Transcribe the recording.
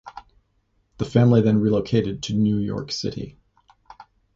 The family then relocated to New York City.